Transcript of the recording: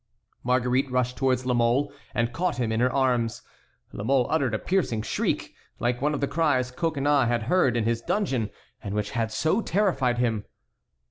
Marguerite rushed towards La Mole, and caught him in her arms. La Mole uttered a piercing shriek, like one of the cries Coconnas had heard in his dungeon and which had so terrified him.